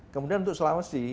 kemudian untuk sulawesi